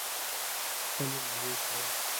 خپلې مزې کوه.